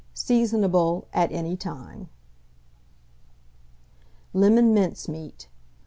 Seasonable at any time. LEMON MINCEMEAT.